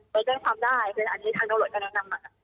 แล้วแจ้งความได้คืออันนี้ทางโดยโรยจะแนะนำมา